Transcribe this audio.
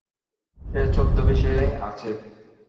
সে ছদ্মবেশে আছে।